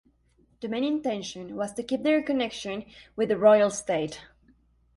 The main intention was to keep their connection with the royal state.